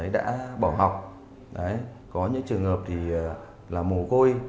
đã bỏ học có những trường hợp thì là mồ côi